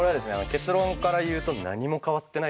結論から言うとえ！？